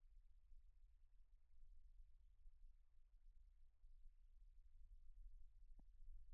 The woman danced alone to music played by old men.